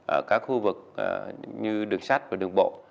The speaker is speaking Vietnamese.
ở các khu vực như đường sắt và đường bộ